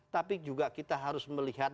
tapi juga kita harus melihat